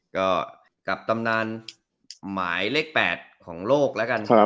ก็กับตำนานหมายเลข๘ของโลกแล้วกัน